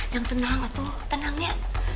yang tenang tuh tenangnya